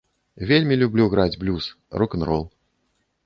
Вельмі люблю граць блюз, рок-н-рол.